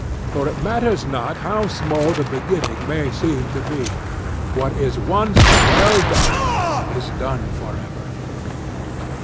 For it matters not how small the beginning may seem to be: what is once well done is done for ever.